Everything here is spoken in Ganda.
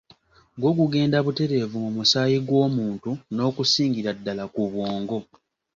Gwo gugenda butereevu mu musaayi gw'omuntu n'okusingira ddala ku bwongo.